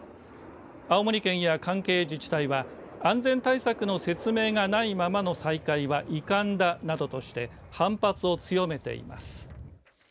青森県や関係自治体は安全対策の説明がないままの再開は遺憾だなどとして反発を強めています。